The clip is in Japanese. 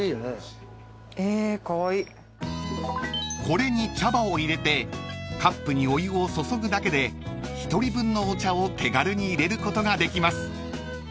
［これに茶葉を入れてカップにお湯を注ぐだけで１人分のお茶を手軽に入れることができます］